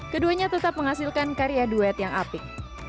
keduanya tetap menghasilkan karya duet yang apik